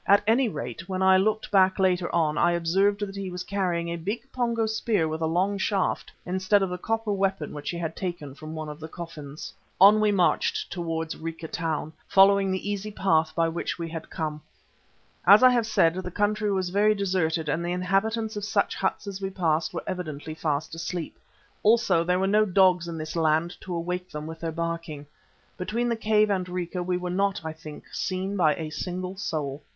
At any rate when I looked back later on, I observed that he was carrying a big Pongo spear with a long shaft, instead of the copper weapon which he had taken from one of the coffins. On we marched towards Rica Town, following the easy path by which we had come. As I have said, the country was very deserted and the inhabitants of such huts as we passed were evidently fast asleep. Also there were no dogs in this land to awake them with their barking. Between the cave and Rica we were not, I think, seen by a single soul.